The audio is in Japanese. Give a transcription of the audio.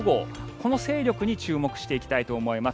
この勢力に注目していきたいと思います。